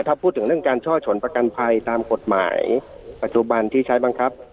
ถ้าพูดถึงเรื่องการช่อฉนประกันภัยตามกฎหมายปัจจุบันที่ใช้บังคับ